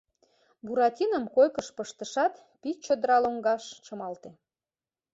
Буратином койкыш пыштышат, пич чодыра лоҥгаш чымалте.